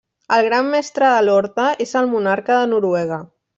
El Gran Mestre de l'Orde és el Monarca de Noruega.